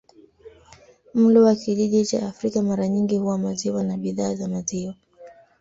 Mlo wa kijiji cha Afrika mara nyingi huwa maziwa na bidhaa za maziwa.